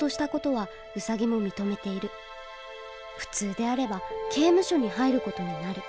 普通であれば刑務所に入る事になる。